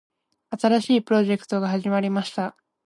新しいプロジェクトが始まりました。